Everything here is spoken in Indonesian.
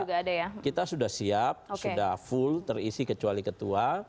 jadi kita sudah siap sudah full terisi kecuali ketua